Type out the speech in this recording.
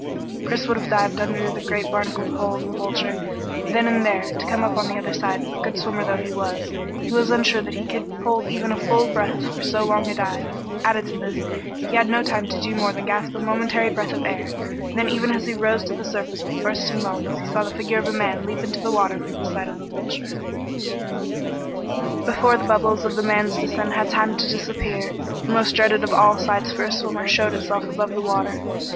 Chris would have dived under the great barnacled hull of the Vulture then and there, to come up on the other side, but good swimmer though he was, he was unsure that he could hold even a full breath for so long a dive. Added to this, he had had no time to do more than gasp a momentary breath of air, and even as he rose to the surface with bursting lungs, he saw the figure of a man leap into the water from the side of the Vulture. Before the bubbles of the man's descent had had time to disappear, the most dreaded of all sights for a swimmer showed itself above the water.